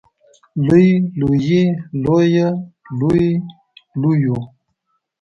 لوی لویې لويه لوې لويو